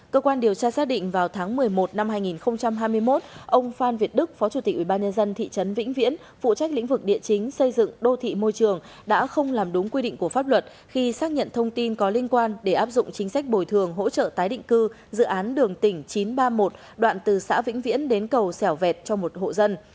cơ quan điều tra xác định vào tháng một mươi một năm hai nghìn hai mươi một ông phan việt đức phó chủ tịch ubnd thị trấn vĩnh viễn phụ trách lĩnh vực địa chính xây dựng đô thị môi trường đã không làm đúng quy định của pháp luật khi xác nhận thông tin có liên quan để áp dụng chính sách bồi thường hỗ trợ tái định cư dự án đường tỉnh chín trăm ba mươi một đoạn từ xã vĩnh viễn đến cầu sẻo vẹt cho một hộ dân